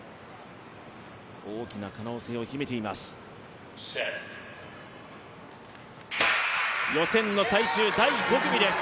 大きな可能性を秘めています。